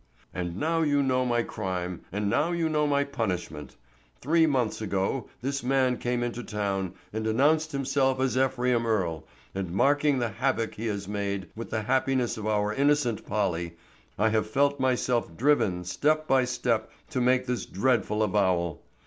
And now you know my crime and now you know my punishment. Three months ago this man came into town and announced himself as Ephraim Earle, and marking the havoc he has made with the happiness of our innocent Polly, I have felt myself driven step by step to make this dreadful avowal.